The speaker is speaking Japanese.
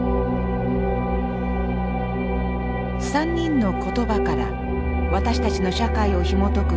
３人の言葉から私たちの社会をひもとく